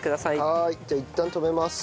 はーい。じゃあいったん止めます。